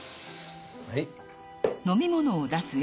はい。